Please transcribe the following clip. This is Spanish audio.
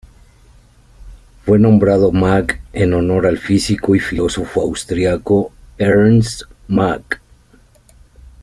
Fue nombrado Mach en honor al físico y filósofo austriaco Ernst Mach.